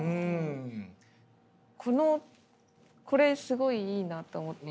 このこれすごいいいなと思って。